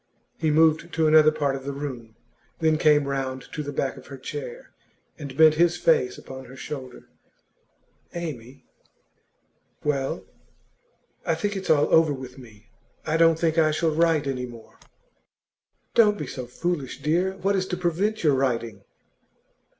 He moved to another part of the room, then came round to the back of her chair, and bent his face upon her shoulder. 'Amy ' 'Well.' 'I think it's all over with me. I don't think I shall write any more.' 'Don't be so foolish, dear. What is to prevent your writing?